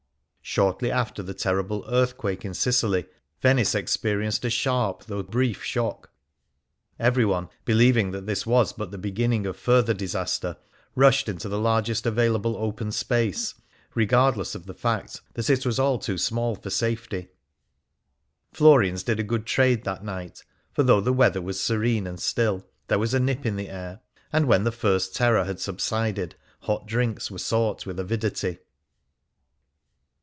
Shortly after the terrible earthquake in Sicily, Venice experienced a sharp, though brief, shock. Every one, believing that this was but the beginning of further disaster, rushed into the largest available open space, regardless of the fact that it was all too small for safety. Florian's did a good trade that night ; for though the weather was serene and still, there was a nip in the air, and when the first terror had subsided, hot drinks were sought with avidity.